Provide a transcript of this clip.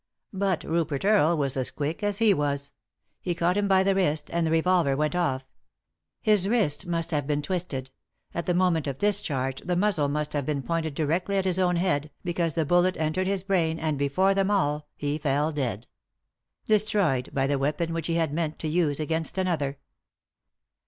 But Rupert Earle was as quick as he was. He caught him by the wrist, and the revolver went off. His wrist must have been twisted ; at the moment of discharge the muzzle must have been pointed directly at his own head, because the bullet entered his brain, and, before them all, he fell dead ; destroyed by the weapon which he had meant to use against another.